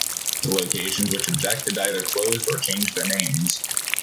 The locations which objected either closed or changed their names.